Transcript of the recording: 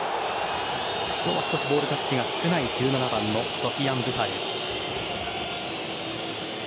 今日は少しボールタッチが少ないソフィアン・ブファル。